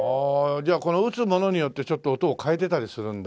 じゃあこの打つものによってちょっと音を変えてたりするんだ。